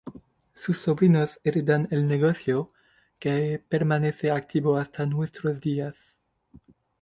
Sus sobrinos heredan el negocio, que permanece activo hasta nuestros días.